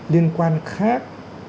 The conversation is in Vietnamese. liên quan khác